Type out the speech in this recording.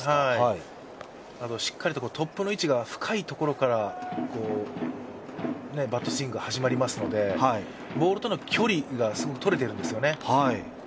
しっかりとトップの位置が深いところからバットスイングが始まりますので、ボールとの距離がとれてるんですよね。